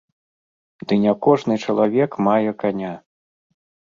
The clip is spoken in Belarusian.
Ды не кожны чалавек мае каня.